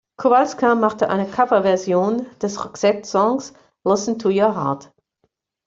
Kowalska machte eine Coverversion des Roxette-Songs "Listen To Your Heart".